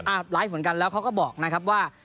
ไลฟ์เหมือนกันแล้วเขาก็บอกนะครับว่า